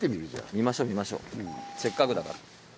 見ましょう見ましょうせっかくだから。